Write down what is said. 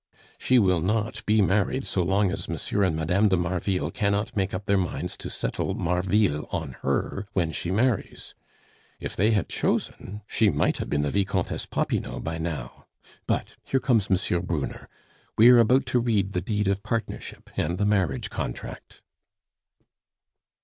"She will not be married so long as M. and Mme. de Marville cannot make up their minds to settle Marville on her when she marries; if they had chosen, she might have been the Vicomtesse Popinot by now. But here comes M. Brunner. We are about to read the deed of partnership and the marriage contract."